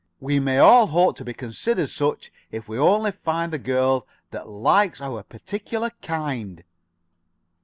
We may all hope to be considered such if we only find the girl that likes our particular kind."